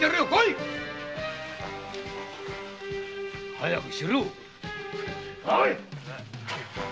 早くしろい！